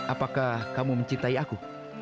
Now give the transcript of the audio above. apakah kamu mencintai aku